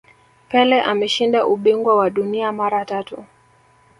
pele ameshinda ubingwa wa dunia mara tatu